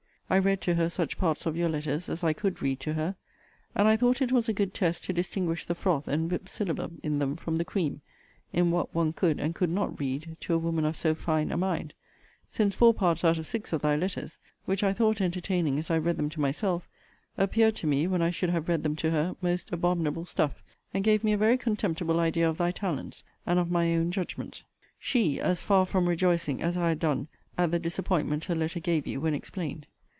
I read to her such parts of your letters as I could read to her; and I thought it was a good test to distinguish the froth and whipt syllabub in them from the cream, in what one could and could not read to a woman of so fine a mind; since four parts out of six of thy letters, which I thought entertaining as I read them to myself, appeared to me, when I should have read them to her, most abominable stuff, and gave me a very contemptible idea of thy talents, and of my own judgment. She as far from rejoicing, as I had done, at the disappointment her letter gave you when explained.